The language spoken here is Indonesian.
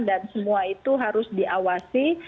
dan semua itu harus diawasi